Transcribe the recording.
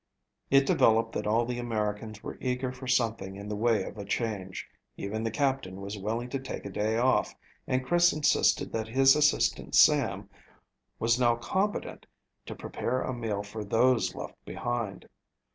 It developed that all the Americans were eager for something in the way of a change. Even the Captain was willing to take a day off and Chris insisted that his assistant Sam was now competent to prepare a meal for those left behind.